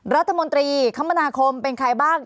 รัฐมนตรีคมนาคมเป็นใครบ้าง